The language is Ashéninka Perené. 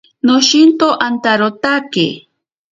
Noshinto antarotake.